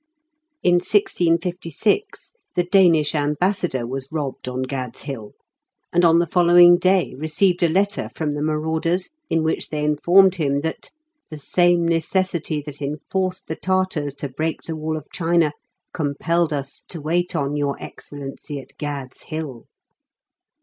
TRADITIONS OF GAD '8 HILL. 29 In 1656, the Danish ambassador was robbed on Gad's Hill, and on the following day re ceived a letter from the marauders, in which they informed him that "ye same necessitie that enforc't ye Tartars to breake ye wall of China compelled us to wait on yr excellencie at Gad's Hill."